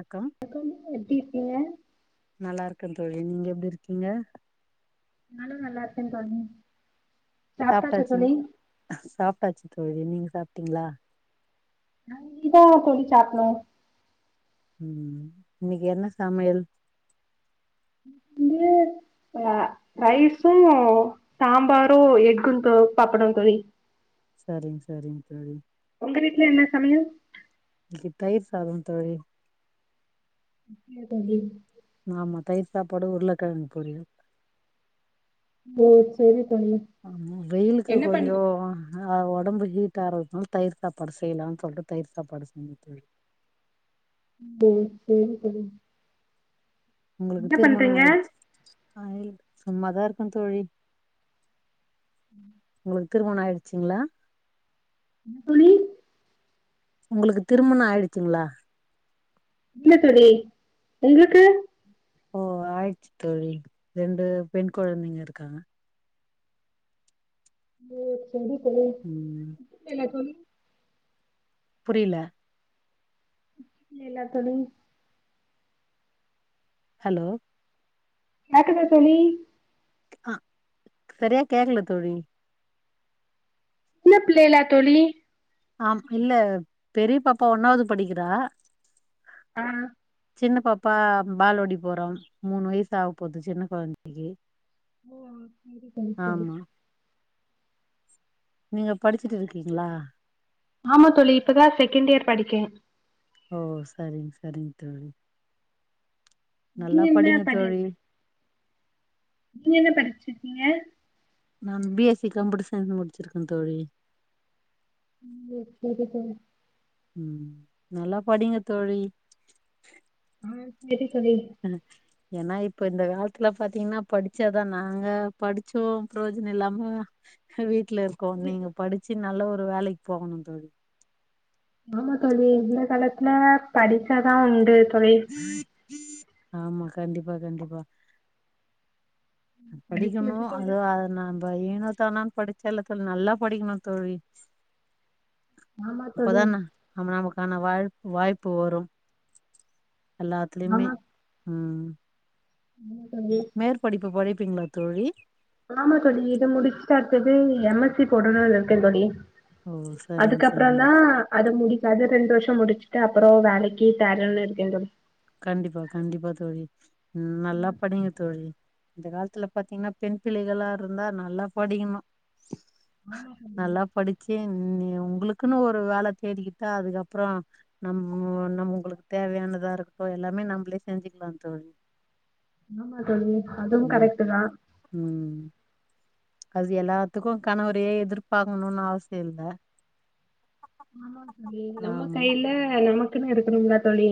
ணக்கம் [unintelligible] எப்டி இருக்கீங்க நல்லா இருக்க தோழி நீங்க எப்டி இருக்கீங்க நானு நல்லா இருக்க தோழி சாப்ட்டாச்சா சாப்ட்டாச்சு தோழி சாப்ட்டாச்சு தோழி நீங்க சாப்ட்டீங்களா நா இனிதா தோழி சாப்டுணு ம் இன்னிக்கு என்ன சமையல் வந்து ரைஸும் சாம்பாரு எஃகு சாப்புடுற தோழி சரிங்க சரிங்க தோழி உங்க வீட்டுல என்ன சமையல் இன்னிக்கு தயிர் சாத தோழி [unintelligible] ஆமா தயிர் சாப்பாடு உருளக்கிழங்கு பொரியல் சேர் சேரி தோழி ஆ வெயிலுக்கு என்ன கொஞ்ச பண் அ உடம்பு ஹீட் ஆறதுனால தயிர் சாப்பாடு செய்யலாம்னு சொல்லிட்டு தயிர் சாப்பாடு செஞ்ச தோழி ஓ ஓ உங்களுக்கு திருமண ஆயிடுச்சா சும்மாதா இருக்க தோழி ம் உங்களுக்கு திருமண ஆயிடுச்சுங்களா என்ன தோழி உங்களுக்கு திருமணம் ஆயிடுச்சுங்களா இல்ல தோழி உங்களுக்கு ஓ ஆயிடுச்சு தோழி ரெண்டு பெண் குழந்தைங்க இருக்காங்க ஓ சேரி தோழி ம் [unintelligible] தோழி புரில [unintelligible] தோழி ஹலோ [unintelligible] தோழி அஹ் சரியா கேக்கல தோழி சின்ன பிள்ளயலா தோழி ஆம் இல்ல பெரிய பாப்பா ஒன்னாவது படிக்கிறா அ சின்ன பாப்பா பால்வாடி போறோம் மூணு வயசு ஆக போகுது சின்ன கொழந்தைக்கு ஓ சேரி தோழி சேரி ஆமா நீங்க படிச்சுட்டு இருக்கீங்களா ஆமா தோழி இப்பதா செகண்ட் இயர் படிக்க ஓ சரிங் சரிங் தோழி நீங்க நல்லா என்ன படிங்க படி தோழி நீங்க என்ன படிச்சிருக்கீங்க நான் பி எஸ்சி கம்ப்யூட்டர் சயின்ஸ் முடிச்சிருக்க தோழி ம் சரி தோழி ம் நல்லா படிங்க தோழி அ சேரி தோழி [inaudible] ஏன்னா இப்ப இந்த காலத்துல பாத்தீங்கன்னா படிச்சாதா நாங்க படிச்சு புரோஜன இல்லாம வீட்ல இருக்கோ நீங்க படிச்சு நல்ல ஒரு வேலைக் போகணு தோழி ஆமா தோழி இந்த காலத்ல படிச்சாதா உண்டு தோழி ஆமா கண்டிப்பா கண்டிப்பா படிச்சு படிக்கணு முடிச்சுட்டு ஒரு அதோ அத நம்ப ஏனோ தணோன்னு படிச்சேல்ல தோழி நல்லா படிக்கணு தோழி ஆமா தோழி இப்பதா நா நம்ம நமக்கான வா வாய்ப்பு வரும் எல்லாத்துலயுமே ஆமா ம் [inaudible] மேற்படிப்பு படிப்பிங்களா தோழி ஆமா தோழி இத முடிச்சுட்டா அடுத்தது எம் எஸ்சி போடுணும்னு இருக்கே தோழி ஒ சரிங் அதுக்கப்புறந்தா சரிங் அது முடிக்காது ரெண்டு வருஷோ முடிச்சுட்டு அப்பறோ வேலைக்கு தேடணுன்னு இருக்கே தோழி கண்டிப்பா கண்டிப்பா தோழி ம் நல்லா படிங்க தோழி இந்த காலத்துல பாத்தீங்கன்னா பெண் பிள்ளைகளா இருந்தா நல்லா படிக்கணு ஆமா தோழி நல்லா படிச்சி உங்களுக்குன்னு ஒரு வேல தேடிக்கிட்டா அதுக்கப்றோ நம் நம்ம உங்களுக்கு தேவையானதா இருக்கட்டு எல்லாமே நம்பளே செஞ்சுக்கலா தோழி ஆமா தோழி அதுவும் ம் கரெக்டு தா ம் அது எல்லாத்துக்கு கணவரையே எதிர்ப்பாக்கணு அவசியோ இல்ல ஆமா தோழி நம்ம ஆமா கையில நமக்குன்னு இருக்குணும்ல தோழி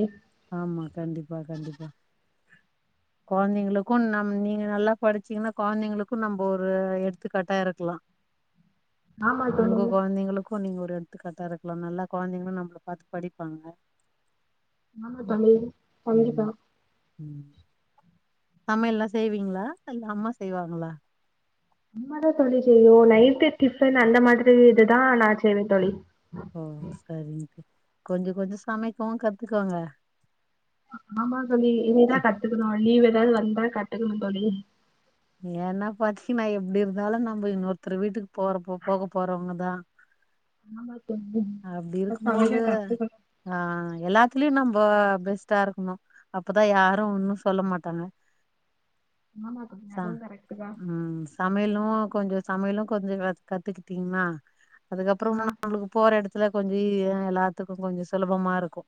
ஆமா கண்டிப்பா கண்டிப்பா கொழந்தைங்களுக்கு நம் நீங்க நல்லா படிச்சீங்கன்னா கொழந்தைங்களுக்கு நம்ப ஒரு எடுத்துக்காட்டா இருக்கலா ஆமா தோழி உங்க கொழந்தைங்களுக்கு நீங்க ஒரு எடுத்துக்காட்ட இருக்கலா நல்லா கொழந்தைங்களு நம்பள பாத்து படிப்பாங்க ஆமா ம் தோழி கண்டிப்பா ம் சமையலா செய்வீங்களா இல்ல அம்மா செய்வாங்களா அம்மதா தோழி செய்வோ நைட்டு டிஃபன் அந்த மாதிரி இதுதா நா செய்வே தோழி ஒ சரிங்க கொஞ்சோ கொஞ்சோ சமைக்கவும் கத்துக்கோங்க ஆமா தோழி இனிதா கத்துக்கணு லீவ் ஏதாவது வந்தா கத்துக்கணு தோழி ஏன்னா பாத்தீங்க நான் எப்டி இருந்தாலு நம்ம இன்னொருத்தர் வீட்டுக்கு போற போக போறவங்கதான் ஆமா தோழி சமைக்க கத்துகணு அ எல்லாத்துலயு நம்ம பெஸ்டா இருக்கணு அப்பதா யாரும் ஒன்னு சொல்ல மாட்டாங்க ஆமா தோழி ச அதுவும் கரெக்ட் தான் அ சமையலு கொஞ்சோ சமையலு கொஞ்சோ கத்துக்கிட்டீங்கன்னா அதுக்கப்பறோ ஆஹ் [unintelligible] போற எடத்துல கொஞ்சி எல்லாத்துக்கு கொஞ்சோ சுலபமா இருக்கு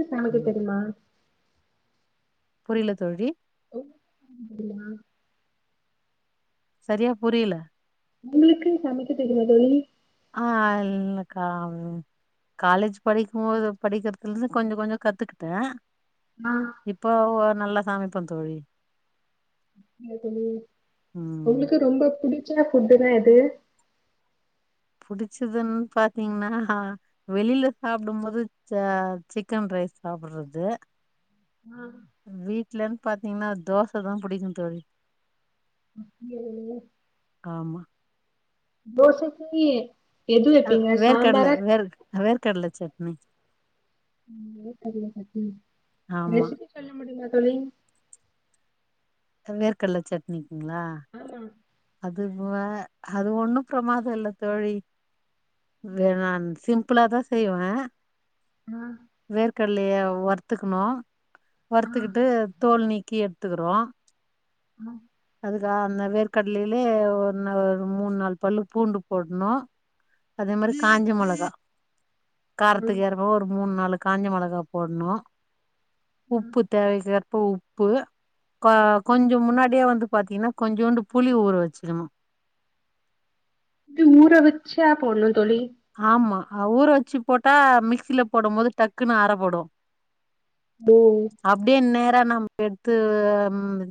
ம் நமக்கு தெரியுமா புரியல தோழி ஒ [inaudible] சரியா புரியல உங்களுக்கு சமைக்க தெரியுமா தோழி அ இல்லக்கா காலேஜ் படிக்கும் போது படிக்கிறதுல இருந்து கொஞ்சோ கொஞ்சோ கத்துக்கிட்டே அ இப்போ நல்ல சமைப் பேன் தோழி ம் உங்களுக்கு ரொம்ப புடிச்சா ஃபுட்டுனா எது புடிச்சதுன்னு பாத்தீங்கன்னா வெளில சாப்பிடும் போது சிக்கன் ரைஸ் சாப்பறது ம் வீட்லன்னு பாத்தீங்கன்னா தோசைதான் புடிக்கும் தோழி சரி ஆமா தோசைக்கு எது வைப்பீங்க சாம்பாரா வேர்க் கடல சட்னி உ ஆமா ரெசிபி சொல்ல முடியுமா தோழி வேர்கல்ல சட்னிக்குங்ளா ம் அது அது ஒண்ணும் பிரமாதம் இல்ல தோழி வேணா நா சிம்ப்பிளா தான் செய்வேன் ஆ வேர்கல்லய வறுத்துக்கணும் ஆ வறுத்துக்கிட்டு தோல் நீக்கி எடுத்துக்கிறோ ம் அதுக்க அந்த வேர்க்கடலையிலயே ஒ ஒரு மூணு நாள் பல்லு பூண்டு போடணும் அதே மாதிரி காஞ்ச மொளகா ம். காரத்துக்கு ஏ ஒரு மூணு நாள் காஞ்சி மொளகா் போடணும் ஆ. உப்பு தேவைக்க உப்ப கொஞ்சம் முன்னாடியே வந்து பாத்தீங்கன்னா கொஞ்சோண்டு புளி ஊற வச்சுக்கனு இப்படி ஊற வச்சா போடணும் தோழி ஆமா ஊற வச்சு போட்டா மிக்சியில போடும் போது டக்குன்னு அற படும் ம் அப்படியே நேரா நம்ம எட்த்து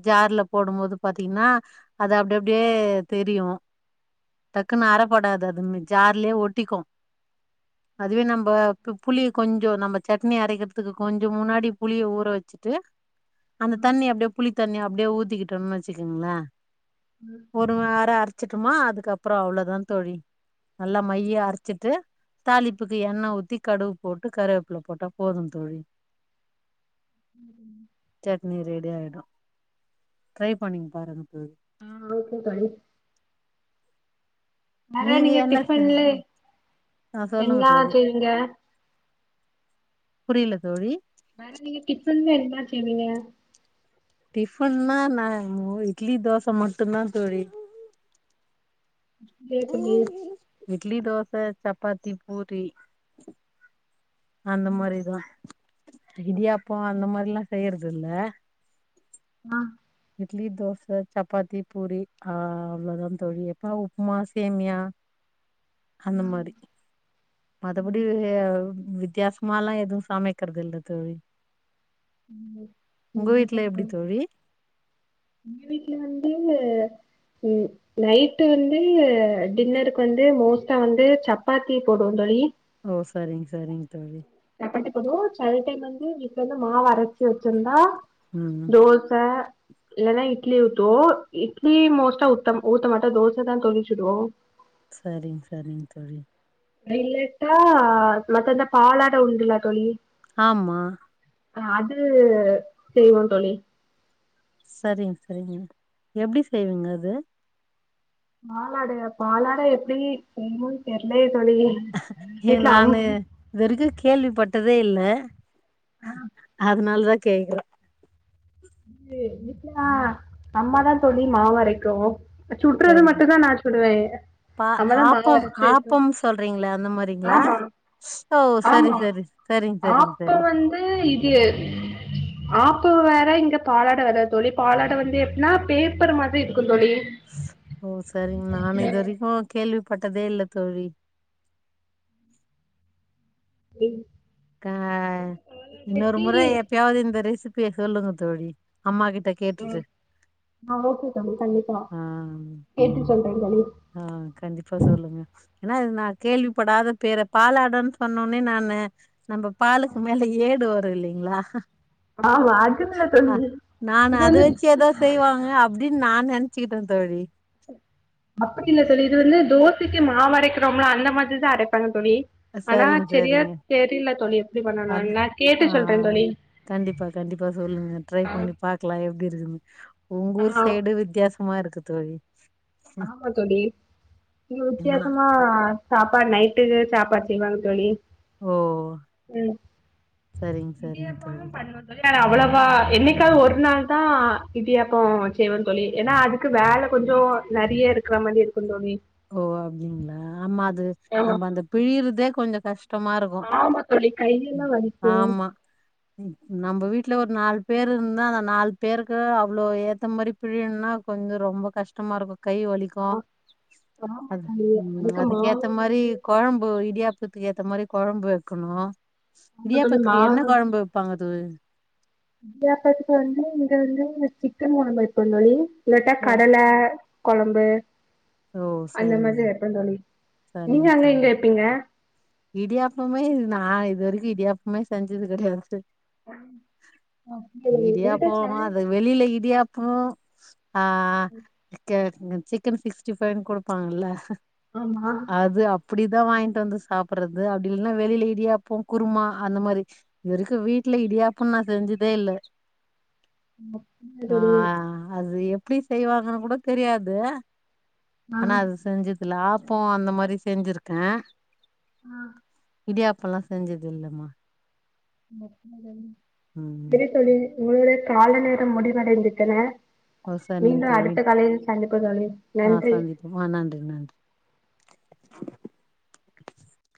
ஜார்ல போடும் போது பாத்தீங்கன்னா அது அப்படி அப்படியே தெரியும் டக்குன்னு அரப்படாது அது ஜார்லயே ஒட்டிக்கும் அதுவே நம்ப புளிய கொஞ்சம் நம்ம சட்னி அரைக்கிறதுக்கு கொஞ்சம் முன்னாடி புளிய ஊற வச்சுட்டு அந்த தண்ணி அப்படியே புளி தண்ணி அப்படியே ஊத்திக்கிட்டோம்னு வச்சுக்கோங்களே ஒரு வோரம் அரைச்சுட்டுமா அதுக்கப்புறம் அவ்வளோதான் தோழி நல்லா மையா அ அச்சிட்டு தாளிப்புக்கு எண்ணெய் ஊத்தி கடுவு போட்டு கருவேப்பல போட்டா போதும் தோழி சட்னி ரெடியாயிடும் ட்ரை பண்ணிங்க பாருங்க தோழி ஓகே தோழி வேற நீங்க என்ன டிஃபன்ல செஞ்சீங்க ஆ சொல்லுங்க என்னா தோழி செய்வீங்க? புரியல தோழி நான் இன்னைக்கு டிஃபன்லாம் எதுவுமே செய்யலைங்க டிஃபன்ன்னா நான் இட்லி தோசை மட்டும் தான் தோழி [unintelligible] இட்லி தோசை சப்பாத்தி பூரி அந்த மாதிரிதான் இடியாப்பம் அந்த மாதிரில்லாம் செய்யறது இல்ல ஆ இட்லி தோசை சப்பாத்தி பூரி ஆ அவ்ளோதா தோழி எப்ப உப்புமா சேமியா அந்த மாரி மத்தபடி வித்தியாசமால்லா எது சமைக்கறதில்ல தோழி உங்க சரி, வீட்ல சரி எப்டி தோழி எங்க வீட்ல வந்து ம் நைட்டு வந்து டின்னருக் வந்து மோஸ்ட்டா வந்து சப்பாத்தி போடுவோ தோழி ஓ சரிங் சரிங் தோழி சப்பாத்தி போடுவோ செல டைம் வந்து வீட்ல வந்து மாவரச்சு வெச்சிருந்தா ம் தோச இல்லனா இட்லி ஊத்துவோ இட்லி மோஸ்ட்டா ஊத்தம் ஊத்த மாட்டோ தோச தா தோழி சுடுவோ சரிங் சரிங் தோழி இல்லட்டா மத்த அந்த பாலாட உண்பீங்ளா தோழி ஆமா அ அது செய்வோ தோழி சரிங் தோழி எப்டி செய்வீங்க அது பாலாட பாலாட எப்டி செய்வோ தெர்லயே தோழி எ வீட்ல அம் நானு இதுவரைக்கு கேள்விப்பட்டதே இல்ல அதுனால் தா கேக்கறே எங்க வீட்ல அம்மா தா தோழி மாவரைக்கு அ சுட்றது சரிங்க மட்டுந்தா நா சுடுவே பா ஆப்பம் ஆப்பம் சொல்றீங்ளா அந்த மாரிங்ளா ஆமா ஓ சரி சரி சரிங் சரிங் சரி அ இடிய ஆப்பம் வேற இங்க பாலாட வேற தோழி பாலாட வந்து எப்பிட்னா பேப்பரு மாதிரி இருக்கு தோழி ஓ சரிங் நானு இது வரைக்கு கேள்விப்பட்டதே இல்ல தோழி ரிங் கா இன்னோரு முற எப்பயாவ்து இந்த ரெசிப்பிய சொல்லுங்க தோழி அம்மா கிட்ட ம் கேட்டுட்டு ஆ ஓகே தோழி கண்டிப்பா ஆ கேட்டு சொல்றே தோழி ஆ கண்டிப்பா சொல்லுங்க ஏனா இது நா கேள்விப்படாத பேரு பாலாடன் சொன்னோன்னே நானு நம்ப பாலுக்கு மேல ஏடு வரு இல்லைங்ளா ஆமா அது இல்ல தோழி அ நானு இது அது வந்து வெச்சு எதோ செய்வாங்க அப்டின் நா நென ச்சிகிட்ட தோழி அப்டி இல்ல தோழி இது வந்து தோசைக்கு மாவு அரைக்கிறோம்ல அந்த மாதிரிதா அரைப்பாங்க தோழி ஆனா சரிங்க செரியா சரிங்க தெரில தோழி எப்டி அது பண்ணனுன்னு நா கேட்டு ஆ சொல்றே தோழி கண்டிப்பா கண்டிப்பா சொல்லுங்க ட்ரை ஆ பண்ணி பாக் கலா எப்டி இருக்குதுன் உங் ஊர் ஆ சைடு வித்யாசமா இருக்கு தோழி ஆமா தோழி இங்க என்னா வித்யாசமா சாப்பாடு நைட்டுக்கு சாப்பாடு செய்வாங்க தோழி ஓ ம் சரிங்க சரிங்க தோழி இடியாப்பமு பண்ணுவோ தோழி நாங்க அவ்வளவா என்னைக்காது ஒரு நாள் தா இடியாப்போ செய்வோ தோழி ஏனா அது க்கு வேல கொஞ்சோ நெறைய இருக்கற மாரி இருக்கு தோழி ஓ அப்டிங்ளா ஆமா அது ஆமா நம்ம அந்த பிழியிறதே கொஞ்சோ கஷ்டமாருக்கு ஆமா தோழி கை ஆமா ம் நம்ப வீட்ல ஒரு நாலு பேர் இருந்தா அந்த நால் பேருக்கு அவ்ளோ ஏத்த மாரி பிழியின்னா கொஞ்சோ ரொம்ப கஷ்டமாருக்கு கை வலிக் கு ஆமா அத் தோழி ம் அதுக்கு மாவு அதுக்கேத்த மாரி வந்து- கொழம்பு இடியாப் பத்துக்கு ஏத்த மாரி கொழம்பு வெக்கணு ஆமா தோழி இடியாப்பத்துக்கு மாவு என்ன கொழம்பு வெப்பாங்க தோழி இடியாபத்துக்கு வந்து இங்க வந்து இந்த சிக்கன் கொழம்பு வெப்பேந் தோழி இல்லட்டா ம். கடல கொழம்பு ஓ அந்த சரிங்க மாரி வெப்பேந் தோழி நீங்க சரிங்க அங்க தோழி எங்க வெப்பீங்க இடியாப்பமே நா இது வரிக்கு இடியாப்பமே செஞ்சது கெடயாது எங்கிட்ட இடியாப்போ சேனல் அது வெளில இடியாப்போ ஆ கே சிக்கன் சிக்ஸ்டி ஃபைவு குடுப்பாங்கல்ல ஆமா அது அப்பிடிதா வாய்ன்ட் வந்து சாப் பறது அப்டி இல்லன்னா வெளியல இடியாப்போ குருமா அந்த மாரி இது வரிக்கு வீட்ல இடியாப்போ நா செஞ்சிதே இல்ல இல்ல ஆ தோழி அது எப்டி செய்வாங்கனு கூட தெரியாது ஆ நா அது செஞ்சதில்ல ஆப்போ அந்த மாரி செஞ்சிருக்கே ஆ இடியாப்பல்லா செஞ்சதில்லம்மா [unintelligible] ம் செரி தோழி உங்களுடட கால நேரம் முடிவடைந்திட்டன ஓ சரிங்க மீண்டு தோழி அடுத்த காலையில் சந்திப்போம் தோழி ஆ நன்றி சந்திப்போ ஆ நன்றி நன்றி